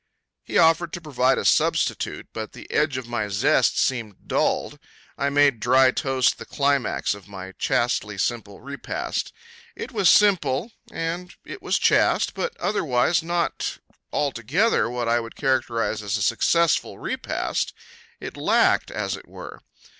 He offered to provide a substitute, but the edge of my zest seemed dulled. I made dry toast the climax of my chastely simple repast. It was simple and it was chaste, but otherwise not altogether what I should characterize as a successful repast. It lacked, as it were.